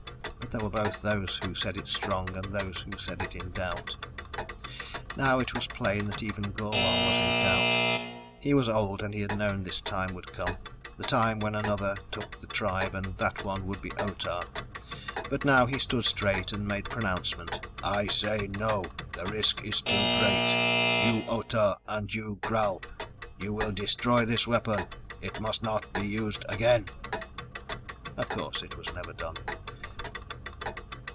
But there were both those who said it strong, and those who said in doubt. Now it was plain that even Gor wah was in doubt. He was old and he had known this time would come, the time when another took the tribe, and that one would be Otah. But now he stood straight and made pronouncement. "I say no! The risk is too great. You, Otah and you, Gral you will destroy this weapon. It must not be used again!" Of course it was never done.